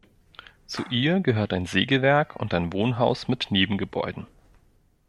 Zu ihr gehört ein Sägewerk und ein Wohnhaus mit Nebengebäuden.